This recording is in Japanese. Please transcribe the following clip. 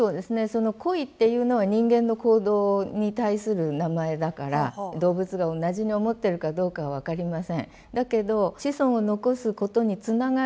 その恋っていうのは人間の行動に対する名前だから動物が同じに思ってるかどうかは分かりません。